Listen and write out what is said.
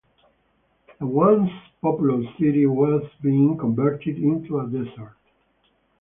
The once populous city was being converted into a desert.